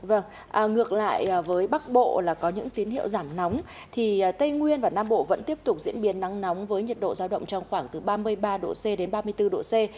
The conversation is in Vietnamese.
vâng ngược lại với bắc bộ là có những tín hiệu giảm nóng thì tây nguyên và nam bộ vẫn tiếp tục diễn biến nắng nóng với nhiệt độ giao động trong khoảng từ ba mươi ba độ c đến ba mươi bốn độ c